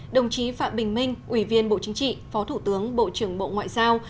đồng chí phạm bình minh ủy viên bộ chính trị phó thủ tướng bộ trưởng bộ ngoại giao